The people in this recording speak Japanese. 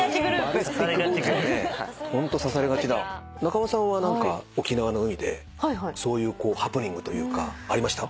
仲間さんは何か沖縄の海でそういうハプニングというかありました？